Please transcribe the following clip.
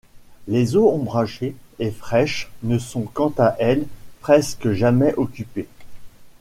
Les eaux ombragées et fraîches ne sont quant à elles presque jamais occupées.